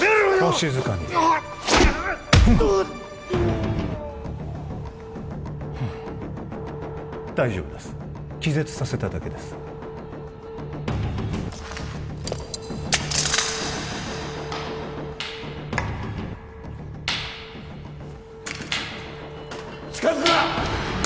お静かに大丈夫です気絶させただけです近づくな！